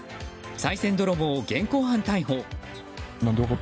さい銭泥棒を現行犯逮捕。